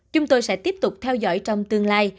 chúng tôi sẽ tiếp tục theo dõi trong tương lai